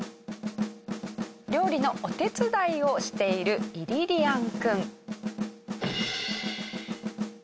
料理のお手伝いをしているイリリアン君。